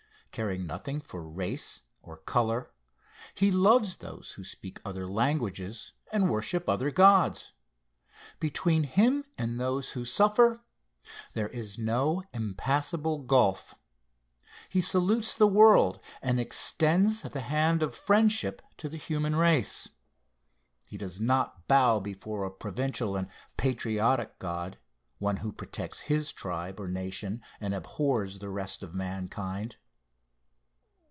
Caring nothing for race, or color, he loves those who speak other languages and worship other gods. Between him and those who suffer, there is no impassable gulf. He salutes the world, and extends the hand of friendship to the human race. He does not bow before a provincial and patriotic god one who protects his tribe or nation, and abhors the rest of mankind.